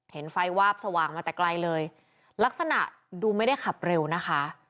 เห็นไฟวาบสว่างมาแต่ไกลเลยลักษณะดูไม่ได้ขับเร็วนะคะ